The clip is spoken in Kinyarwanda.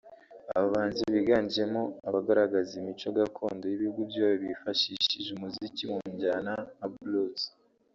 Aba bahanzi biganjemo abagaragaza imico gakondo y’ibihugu by’iwabo bifashishije umuziki mu njyana nka blues